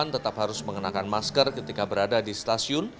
tetap harus mengenakan masker ketika berada di stasiun